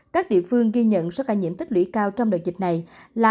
các địa phương ghi nhận số ca nhiễm tích lũy cao trong đợt dịch này là